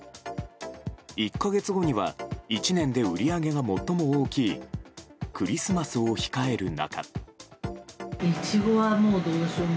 １か月後には１年で売り上げが最も大きいクリスマスを控える中。